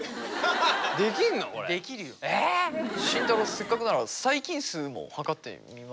せっかくなら細菌数も測ってみますか。